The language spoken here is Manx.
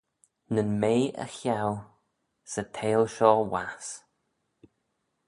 Nyn mea y cheau 'sy theihll shoh wass.